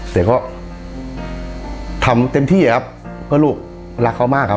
แต่ก็ทำเต็มที่ครับเพื่อลูกรักเขามากครับ